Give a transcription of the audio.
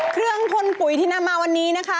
เครื่องพ่นปุ๋ยที่นำมาวันนี้นะคะ